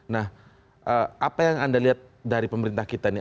nah apa yang anda lihat dari pemerintah kita ini